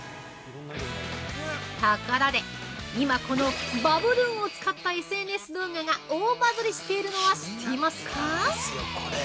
ところで今、このバブルーンを使ったＳＮＳ動画が大バズりしているのは知っていますか？